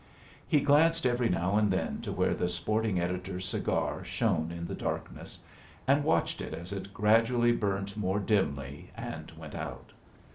He glanced every now and then to where the sporting editor's cigar shone in the darkness, and watched it as it gradually burnt more dimly and went out.